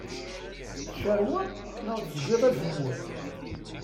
Tcarweḍ neɣ tzeggiḍ azemmur?